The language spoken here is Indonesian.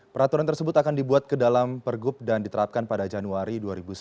peraturan tersebut akan dibuat ke dalam pergub dan diterapkan pada januari dua ribu sembilan belas